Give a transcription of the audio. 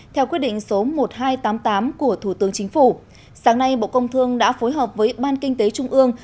theo quyết định số một nghìn hai trăm tám mươi tám của thủ tướng chính phủ sáng nay bộ công thương đã phối hợp với ban kinh tế trung ương